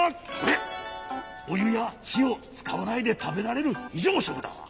おゆやひをつかわないでたべられるひじょうしょくだ。